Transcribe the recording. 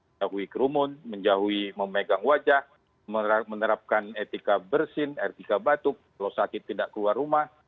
menjauhi kerumun menjauhi memegang wajah menerapkan etika bersin etika batuk kalau sakit tidak keluar rumah